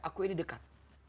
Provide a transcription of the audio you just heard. aku ini dekat